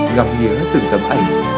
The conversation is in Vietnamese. ngọc nghĩa từng tấm ảnh